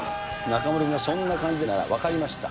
中丸がそんな感じなら分かりました。